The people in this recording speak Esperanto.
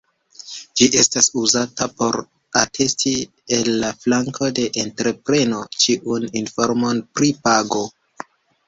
Ĝi estas uzata por atesti el la flanko de entrepreno ĉiun informon pri pago.